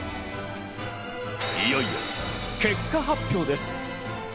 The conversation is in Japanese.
いよいよ結果発表です。